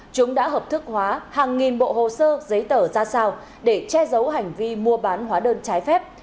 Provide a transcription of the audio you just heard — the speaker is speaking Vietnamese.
chúng đã hợp thức hóa hàng nghìn bộ hồ sơ giấy tờ ra sao để che giấu hành vi mua bán hóa đơn trái phép